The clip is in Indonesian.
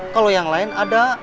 kalau yang lain ada